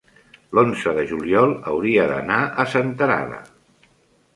l'onze de juliol hauria d'anar a Senterada.